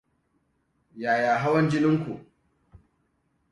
yaya hawan jinin ku?